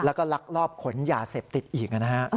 แล้วก็ลักลอบขนยาเสพติดอีกนะฮะ